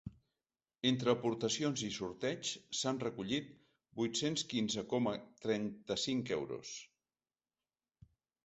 Entre aportacions i sorteigs s’han recollit vuit-cents quinze coma trenta-cinc euros.